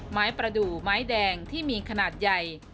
ประดูกไม้แดงที่มีขนาดใหญ่